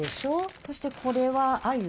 そしてこれはあゆ。